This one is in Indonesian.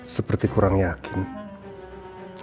seperti kurang yakin